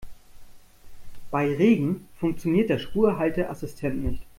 Bei Regen funktioniert der Spurhalteassistent nicht.